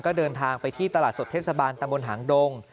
ก็เดินทางไปที่ตลาดสดเทศบาลตำบลหางดง